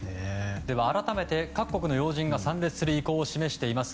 改めて各国の要人が参列する意向を示しています